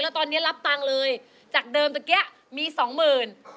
แล้วตอนนี้รับตังค์เลยจากเดิมเมื่อกี้มี๒๐๐๐๐บาท